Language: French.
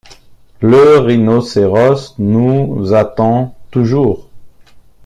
Le rhinocéros nous attend toujours?